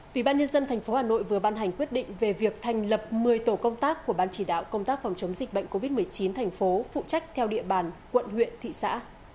ủy ban nhân dân tp hà nội vừa ban hành quyết định về việc thành lập một mươi tổ công tác của ban chỉ đạo công tác phòng chống dịch bệnh covid một mươi chín thành phố phụ trách theo địa bàn quận huyện thị xã